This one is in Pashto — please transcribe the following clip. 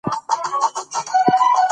افغانستان له بزګان ډک دی.